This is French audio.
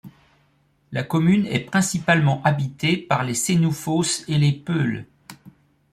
La commune est principalement habitée par les Sénoufos et les Peuls.